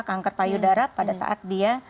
kanker payudara pada saat dia